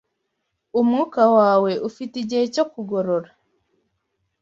Umwuka wawe ufite igihe cyo kugorora